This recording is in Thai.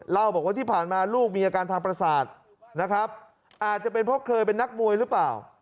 เล่าบอกว่าที่ผ่านมาลูกมีอาการทางประสาทนะครับอาจจะเป็นเพราะเคยเป็นนักมวยหรือเปล่า